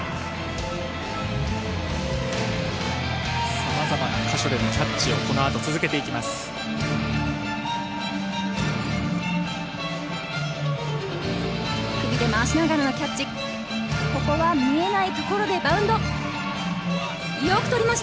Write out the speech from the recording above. さまざまな箇所でのキャッチを続けていきます。